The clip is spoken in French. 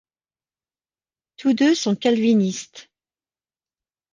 Tous deux sont calvinistes.